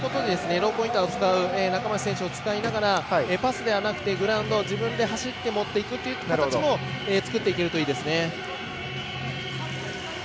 ローポインターを使う中町選手を使いながらパスではなくてグラウンドを自分で走って持っていくという形も作っていけるといいですね。